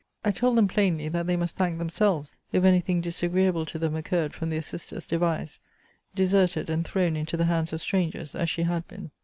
I told them plainly that they must thank themselves if any thing disagreeable to them occurred from their sister's devise; deserted, and thrown into the hands of strangers, as she had been.